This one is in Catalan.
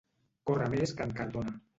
Córrer més que en Cardona.